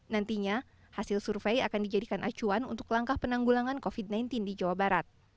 nantinya hasil survei akan dijadikan acuan untuk langkah penanggulangan covid sembilan belas di jawa barat